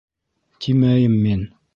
Тимәйем мин.